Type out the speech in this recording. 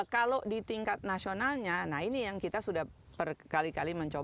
kalau di tingkat nasionalnya nah ini yang kita sudah berkali kali mencoba